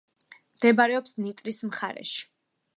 მდებარეობს ნიტრის მხარეში.